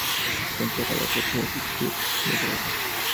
Fue enterrada en la Grote Kerk de Breda.